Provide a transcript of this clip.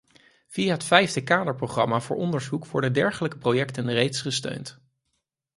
Via het vijfde kaderprogramma voor onderzoek worden dergelijke projecten reeds gesteund.